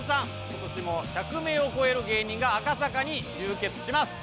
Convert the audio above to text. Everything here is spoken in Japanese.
今年も１００名をこえる芸人が赤坂に集結します